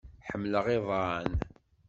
Ḥemmleɣ iḍan.